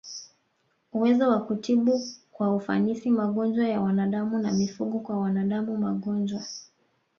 uwezo wa kutibu kwa ufanisi magonjwa ya wanadamu na mifugo Kwa wanadamu magonjwa